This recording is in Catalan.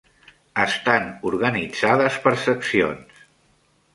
Estan organitzades per seccions.